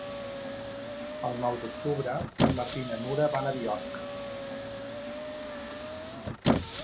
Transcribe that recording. El nou d'octubre en Martí i na Nura van a Biosca.